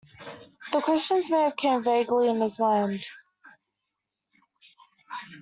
The questions may have come vaguely in his mind.